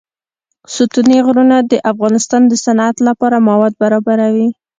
ستوني غرونه د افغانستان د صنعت لپاره مواد برابروي.